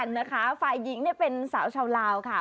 กันนะคะฟัยหญิงเป็นสาวชาวราวค่ะ